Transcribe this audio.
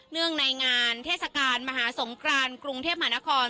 เนื่องในงานเทศกาลมหาสงกรานกรุงเทพหมานคร